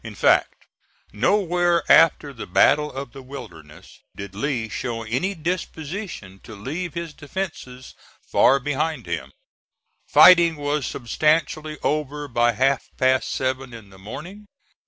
In fact, nowhere after the battle of the Wilderness did Lee show any disposition to leave his defences far behind him. Fighting was substantially over by half past seven in the morning.